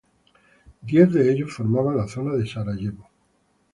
Diez de ellos formaban la zona de Sarajevo.